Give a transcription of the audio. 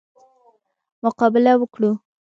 مقابله وکړو.